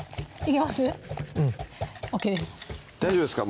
大丈夫ですか？